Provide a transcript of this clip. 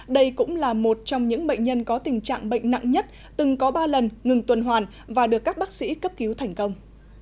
đây cũng là một trong những bệnh nhân có tình trạng bệnh nặng nhất từng có ba lần ngừng tuần hoàn và được các bác sĩ cấp cứu thành công